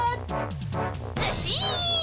ずっしん！